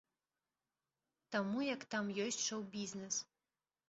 Таму як там ёсць шоў-бізнес.